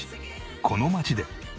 この街で。